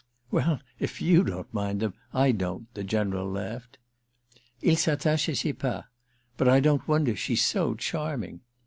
"Well, if you don't mind them I don't," the General laughed. "Il s'attache à ses pas. But I don't wonder—she's so charming."